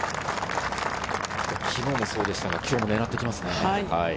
昨日もそうでしたが、今日も狙ってきますね。